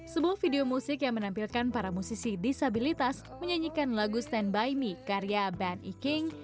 sebuah video musik yang menampilkan para musisi disabilitas menyanyikan lagu stand by me karya band e king